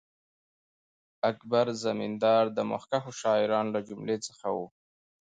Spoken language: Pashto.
اکبر زمینداوری د مخکښو شاعرانو له جملې څخه وو.